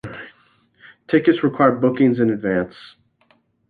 Tickets require bookings in advance.